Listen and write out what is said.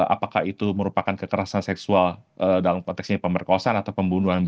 apakah itu merupakan kekerasan seksual dalam konteksnya pemerkosaan atau pembunuhan